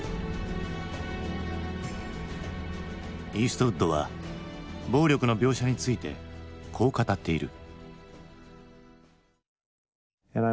イーストウッドは暴力の描写についてこう語っている。